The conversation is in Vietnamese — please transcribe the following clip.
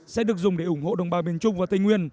sẽ được dùng để ủng hộ đồng bào miền trung và tây nguyên